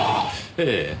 ええ。